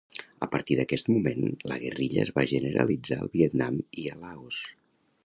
A partir d'aquest moment, la guerrilla es va generalitzar al Vietnam i a Laos.